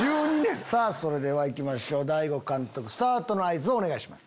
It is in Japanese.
それでは行きましょう大悟監督スタートの合図をお願いします。